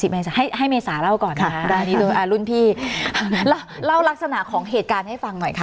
๓๐เมษาให้ให้เมซาเล่าก่อนค่ะอ่ะหลุ้นพี่เราเล่าลักษณะของเหตุการณ์ให้ฟังหน่อยค่ะ